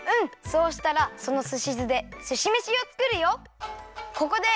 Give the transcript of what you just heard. そうしたらそのすし酢ですしめしをつくるよ！